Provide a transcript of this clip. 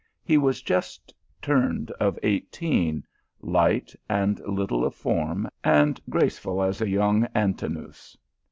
He was just turned of eighteen, light and little of form, and graceful as a young Antinous.